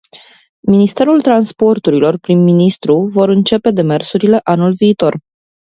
Ministerul Transportului prin ministru vor incepe demersurile anul viitor.